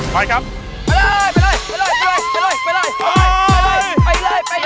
ไปครับไปเลยไปเลย